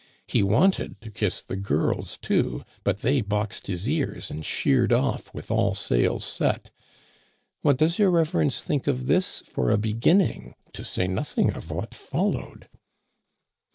He wanted to kiss the girls, too, but they boxed his ears and sheered off with all sails set. What does your reverence think of this for a beginning, to say nothing of what followed